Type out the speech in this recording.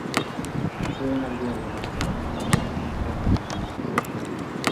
Atsedenaldiaren ostean, gauzek okerrera egin dute.